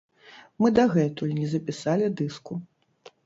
Мы дагэтуль не запісалі дыску.